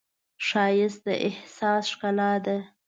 ښایست د احساس ښکلا ده